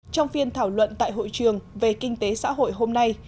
trong phiên thảo luận tại hội trường về kinh tế xã hội hôm nay